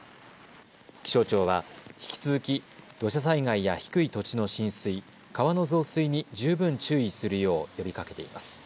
気象庁は引き続き、土砂災害や低い土地の浸水、川の増水に十分注意するよう呼びかけています。